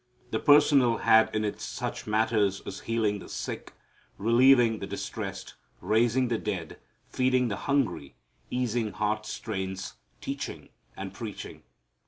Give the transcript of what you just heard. The personal had in it such matters as healing the sick, relieving the distressed, raising the dead, feeding the hungry, easing heart strains, teaching and preaching.